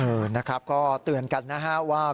เออนะครับก็เตือนกันนะฮะว่า